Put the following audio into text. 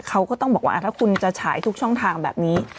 เขาก็ต้องบอกว่าถ้าคุณจะฉายทุกช่องทางแบบนี้